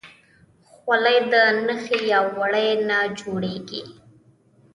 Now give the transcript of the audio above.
خولۍ د نخي یا وړۍ نه جوړیږي.